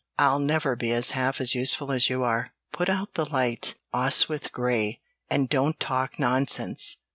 I'll never be half as useful as you are. Put out the light, Oswyth Grey, and don't talk nonsense!